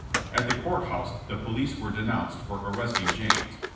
At the court house the police were denounced for arresting James.